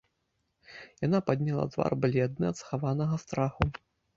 Яна падняла твар бледны ад схаванага страху.